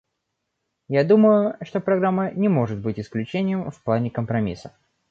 Я думаю, что программа не может быть исключением в плане компромиссов.